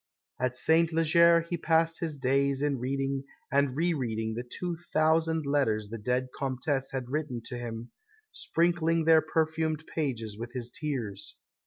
At Saint Leger he passed his days in reading and re reading the two thousand letters the dead Comtesse had written to him, sprinkling their perfumed pages with his tears.